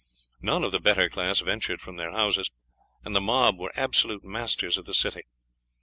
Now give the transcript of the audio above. None of the better class ventured from their houses, and the mob were absolute masters of the city.